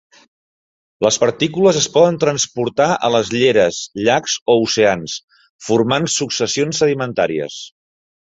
Les partícules es poden transportar a les lleres, llacs o oceans, formant successions sedimentàries.